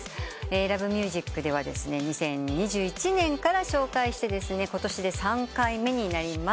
『Ｌｏｖｅｍｕｓｉｃ』では２０２１年から紹介してことしで３回目になります。